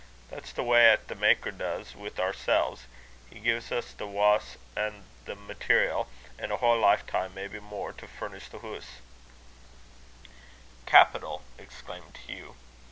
That's the way 'at the Maker does wi' oorsels; he gie's us the wa's an' the material, an' a whole lifetime, maybe mair, to furnish the house." "Capital!" exclaimed Hugh.